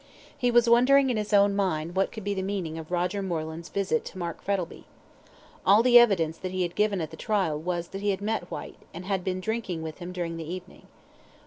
He was wondering in his own mind what could be the meaning of Roger Moreland's visit to Mark Frettlby. All the evidence that he had given at the trial was that he had met Whyte, and had been drinking with him during the evening.